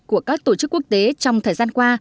của các tổ chức quốc tế trong thời gian qua